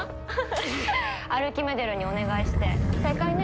アルキメデルにお願いして正解ね。